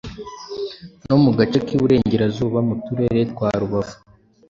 no mu gace k’uburengerazuba mu turere twa Rubavu,